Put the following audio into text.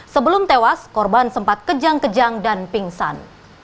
sebelum tewas korban sempat kejang kejang dan pingsan